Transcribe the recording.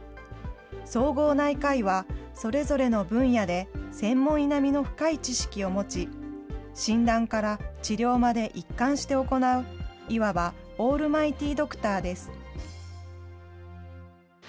総合内科医は、それぞれの分野で専門医並みの深い知識を持ち、診断から治療まで一貫して行う、いわばオールマイティードクターです。